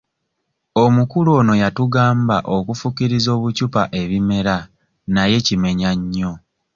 Omukulu ono yatugamba okufukiriza obucupa ebimera naye kimenya nnyo.